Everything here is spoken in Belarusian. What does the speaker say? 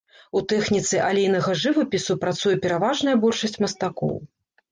У тэхніцы алейнага жывапісу працуе пераважная большасць мастакоў.